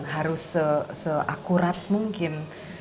harus se akurat mungkin